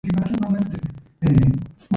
The pit was named Markham Main.